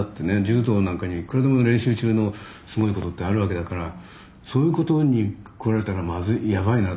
柔道なんかにはいくらでも練習中のすごいことってあるわけだからそういうことにこられたらまずいやばいなあとか思ってたり。